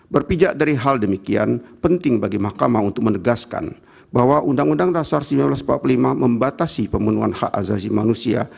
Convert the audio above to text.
berpijak dari hal demikian penting bagi mahkamah untuk menegaskan bahwa undang undang dasar seribu sembilan ratus empat puluh lima membatasi pemenuhan hak azazi manusia